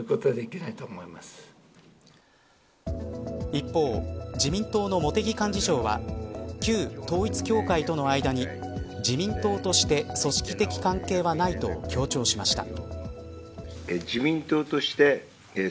一方、自民党の茂木幹事長は旧統一教会との間に自民党として組織的関係はないと強調しました。